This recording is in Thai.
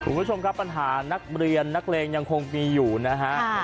คุณผู้ชมครับปัญหานักเรียนนักเลงยังคงมีอยู่นะฮะ